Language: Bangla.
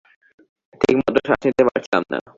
ঠিকমতো শ্বাস নিতে পারছিলাম না।